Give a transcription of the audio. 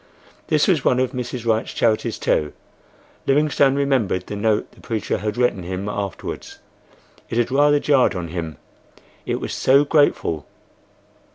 This was one of Mrs. Wright's charities too. Livingstone remembered the note the preacher had written him afterwards—it had rather jarred on him, it was so grateful.